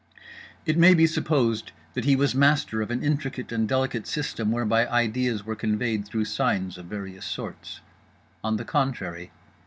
It may be supposed that he was master of an intricate and delicate system whereby ideas were conveyed through signs of various sorts. On the contrary.